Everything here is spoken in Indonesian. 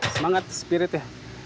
semangat spirit ya